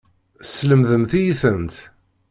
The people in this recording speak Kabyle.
Teslemdemt-iyi-tent.